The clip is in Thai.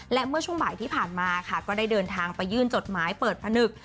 และเมื่อช่วงบ่ายที่ผ่านมาค่ะก็ได้เดินทางไปยื่นจดหมายเปิดผนึก